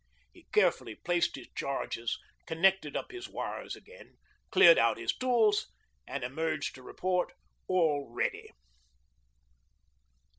He carefully placed his charges, connected up his wires again, cleared out his tools, and emerged to report 'all ready.'